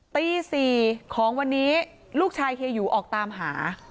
ตี๔ของวันนี้ลูกชายเฮียหยูออกตามหา